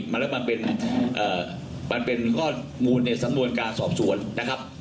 แล้วมันเป็นข้อมูลในสำนวนการสอบสวนนะครับ